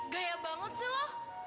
gaya banget sih lo